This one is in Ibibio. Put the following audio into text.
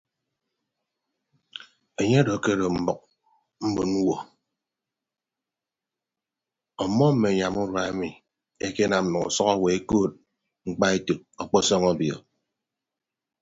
Enye odo akedo mbʌk mbon ñwo ọmmọ mme anyam urua emi ekenam usʌk owo ekoot mkpaeto ọkpọsọñ obio.